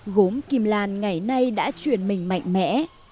gốm kim lan ngày nay đã truyền mình mạnh mẽ